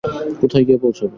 কোথায় গিয়ে পৌঁছাবে?